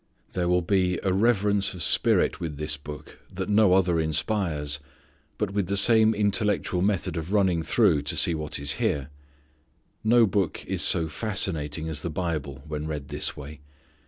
There will be a reverence of spirit with this book that no other inspires, but with the same intellectual method of running through to see what is here. No book is so fascinating as the Bible when read this way.